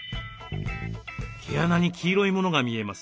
毛穴に黄色いものが見えます。